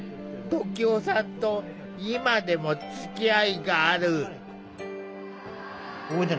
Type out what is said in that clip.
時男さんと今でもつきあいがある。